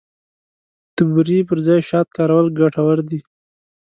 د بوري پر ځای شات کارول ګټور دي.